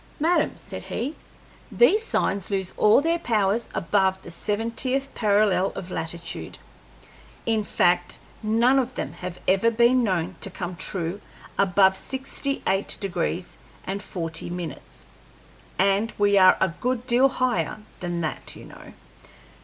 "Madam," said he, "these signs lose all their powers above the seventieth parallel of latitude. In fact, none of them have ever been known to come true above sixty eight degrees and forty minutes, and we are a good deal higher than that, you know."